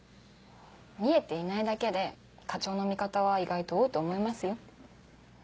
見えていないだけで課長の味方は意外と多いと思いますよ。